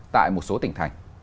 tại một số tỉnh thành